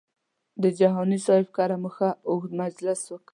د جهاني صاحب کره مو ښه اوږد مجلس وکړ.